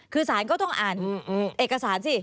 คือสารก็ต้องอ่านเอกสารสิ